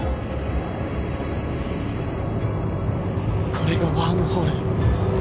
これがワームホール？